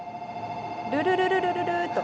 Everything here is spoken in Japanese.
ルルルルルルルと。